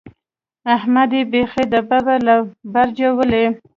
احمد يې بېخي د ببۍ له برجه ولي.